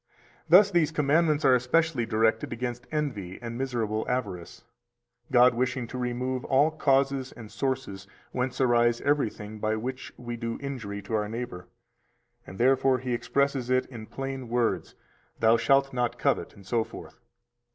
310 Thus these commandments are especially directed against envy and miserable avarice, God wishing to remove all causes and sources whence arises everything by which we do injury to our neighbor, and therefore He expresses it in plain words: Thou shalt not covet, etc.